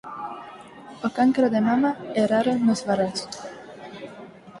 O cancro de mama é raro nos varóns.